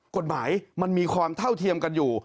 กฎหมายมันมีความเท่าเทียมกันอยู่